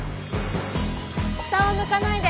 下を向かないで。